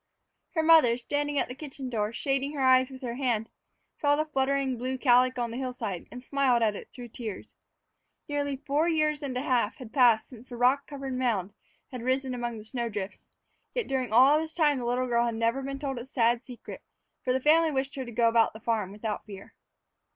Her mother, standing at the kitchen door, shading her eyes with her hand, saw the fluttering blue calico on the hillside and smiled at it through tears. Nearly four years and a half had passed since the rock covered mound had risen among the snow drifts, yet during all this time the little girl had never been told its sad secret, for the family wished her to go about the farm without fear.